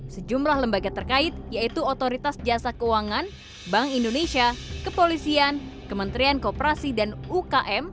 sejumlah lembaga terkait yaitu otoritas jasa keuangan bank indonesia kepolisian kementerian kooperasi dan ukm